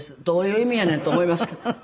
どういう意味やねんと思いますけど。